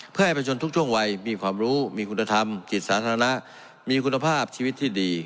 เพื่อให้ประชนทุกช่วงวัยมีความรู้มีคุณธรรมจิตสาธารณะมีคุณภาพชีวิตที่ดี